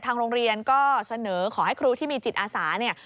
โรงเรียนก็เสนอขอให้ครูที่มีจิตอาสาเนี่ย